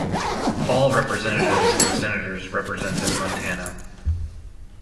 All representatives and senators represented Montana.